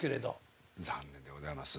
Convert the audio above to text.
残念でございます。